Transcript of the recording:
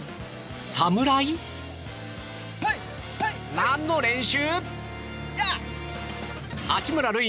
何の練習？